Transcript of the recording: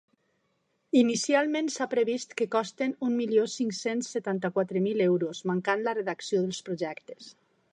Inicialment, s’ha previst que costen un milió cinc-cents setanta-quatre mil euros mancant la redacció dels projectes.